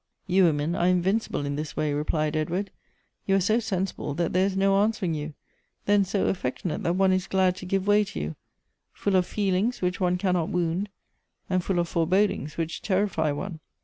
" You women are invincible in this way," replied Ed ward. " You are so sensible, that there is no answering you, then so affectionate, that one is glad to give way to you ; full of feelings, which one cannot wound, and full of forebodings, which terrify one."